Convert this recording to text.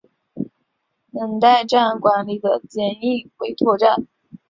能代站管理的简易委托站。